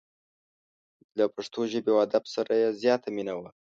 له پښتو ژبې او ادب سره یې زیاته مینه وه.